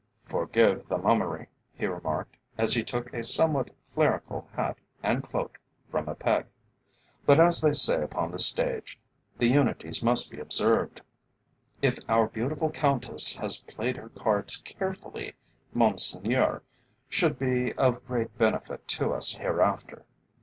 "Forgive the mummery," he remarked, as he took a somewhat clerical hat and cloak from a peg, "but, as they say upon the stage, 'the unities must be observed.' If our beautiful Countess has played her cards carefully, Monseigneur should be of great benefit to us hereafter.